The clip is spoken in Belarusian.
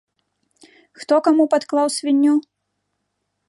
Хто каму падклаў свінню?